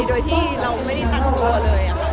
โดยที่เราไม่ได้ตั้งตัวเลย